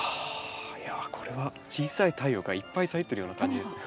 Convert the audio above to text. あいやこれは小さい太陽がいっぱい咲いてるような感じです。